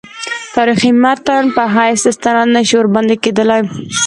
تاریخي متن په حیث استناد نه شي ورباندې کېدلای.